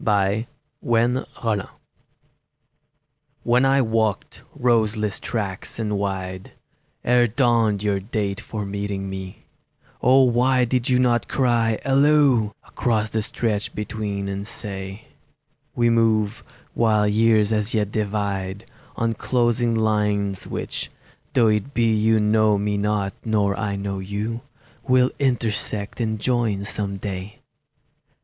BEFORE KNOWLEDGE WHEN I walked roseless tracks and wide, Ere dawned your date for meeting me, O why did you not cry Halloo Across the stretch between, and say: "We move, while years as yet divide, On closing lines which—though it be You know me not nor I know you— Will intersect and join some day!"